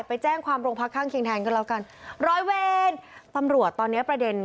ไปแจ้งความโรงพักข้างเคียงแทนก็แล้วกันร้อยเวรตำรวจตอนเนี้ยประเด็น